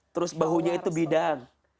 terus bahunya itu bidang